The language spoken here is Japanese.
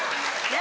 何？